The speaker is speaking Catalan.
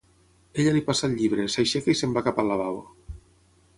Ella li passa el llibre, s'aixeca i se'n va cap al lavabo.